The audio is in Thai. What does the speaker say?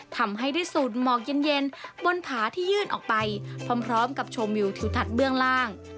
ทำให้ได้สูดหมอกเย็นบนผาที่ยื่นออกไปพร้อมกับชมวิวทิวทัศน์เบื้องล่าง